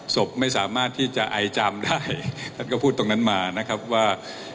ศพไม่สามารถที่จะไอจามได้ท่านก็พูดตรงนั้นมานะครับว่า